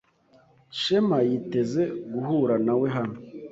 Shema yiteze guhura nawe hano.